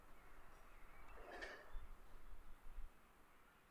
Otázka nezní, zda jsme dosáhli všeho, čeho jsme chtěli dosáhnout.